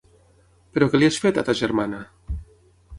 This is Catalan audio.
Però què li has fet, a ta germana?